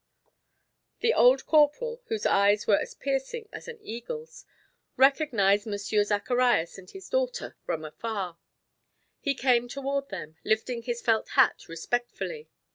The old corporal, whose eyes were as piercing as an eagle's, recognized Monsieur Zacharias and his daughter from afar. He came toward them, lifting his felt hat respectfully.